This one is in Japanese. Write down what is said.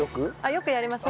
よくやります。